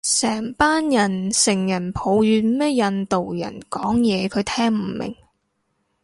成班人成人抱怨咩印度人講嘢佢聽唔明